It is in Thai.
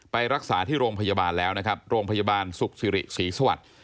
ไปรักษาที่โรงพยาบาลแล้วนะครับโรงพยาบาลสุขสิริศรีสวัสดิ์